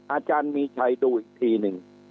อาจารย์มีชัยดูอีกทีหนึ่ง